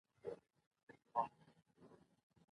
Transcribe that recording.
هغه په پوره صبر سره د خپلې بېړۍ انتظار وکړ.